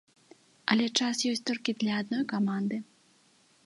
Але час ёсць толькі для адной каманды.